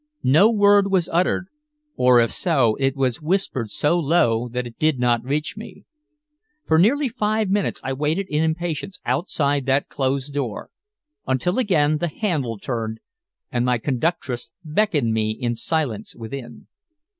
No word was uttered, or if so, it was whispered so low that it did not reach me. For nearly five minutes I waited in impatience outside that closed door, until again the handle turned and my conductress beckoned me in silence within.